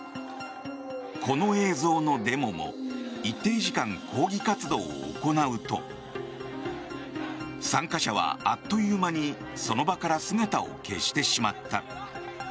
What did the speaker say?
この映像のデモも一定時間、抗議活動を行うと参加者はあっという間にその場から姿を消してしまった。